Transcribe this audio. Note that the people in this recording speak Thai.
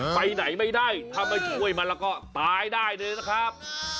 ไปไหนไม่ได้ถ้าไม่ช่วยมันแล้วก็ตายได้เลยนะครับ